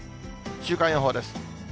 週間予報です。